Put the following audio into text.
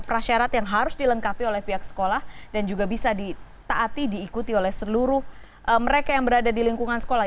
prasyarat yang harus dilengkapi oleh pihak sekolah dan juga bisa ditaati diikuti oleh seluruh mereka yang berada di lingkungan sekolah